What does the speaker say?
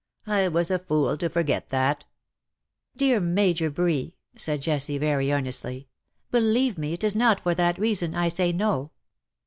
I was a fool to forget that.^^ " Dear Major Bree/^ said Jessie, very earnestly, '^believe me, it is not for that reason, I say No.